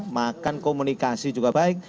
makan komunikasi juga baik